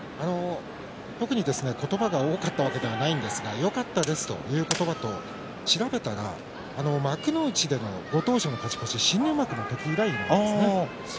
特に言葉が多かったわけではないんですがよかったです、という言葉と調べたら幕内でのご当所の勝ち越し新入幕の時以来なんですね。